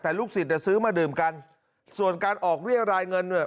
แต่ลูกศิษย์ซื้อมาดื่มกันส่วนการออกเรียรายเงินเนี่ย